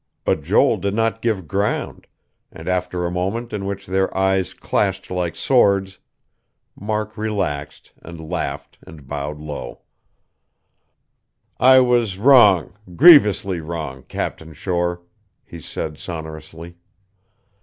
But Joel did not give ground; and after a moment in which their eyes clashed like swords, Mark relaxed, and laughed and bowed low. "I was wrong, grievously wrong, Captain Shore," he said sonorously.